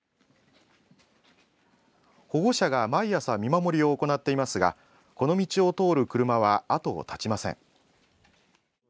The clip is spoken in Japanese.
保護者が毎朝、見守りを行っていますがこの道を通る車はあとを絶ちません。